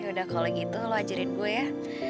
yaudah kalau gitu lo ajarin gue ya